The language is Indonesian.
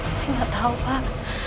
saya gak tahu pak